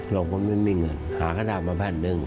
เราก็ไม่มีเงินหากระดาษมาแผ่นเดิน